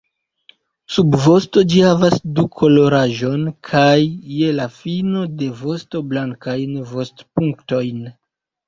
Sub vosto ĝi havas du-koloraĵon kaj je la fino de vosto blankajn vost-punktojn.